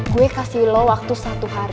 gue kasih lo waktu satu hari